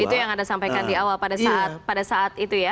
itu yang anda sampaikan di awal pada saat itu ya